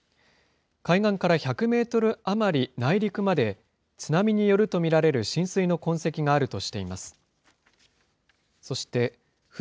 海岸から１００メートル余り内陸まで、津波によると見られる浸水の痕跡があるとしています。